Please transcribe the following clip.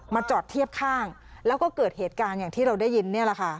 จอดเทียบข้างแล้วก็เกิดเหตุการณ์อย่างที่เราได้ยินนี่แหละค่ะ